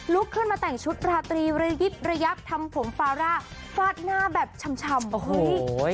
ขึ้นมาแต่งชุดราตรีระยิบระยับทำผมฟาร่าฟาดหน้าแบบชำโอ้โห